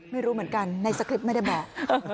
ไม่รู้เหมือนกันในสคริปต์ไม่ได้บอก